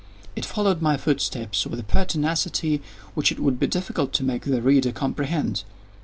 It followed my footsteps with a pertinacity which it would be difficult to make the reader comprehend.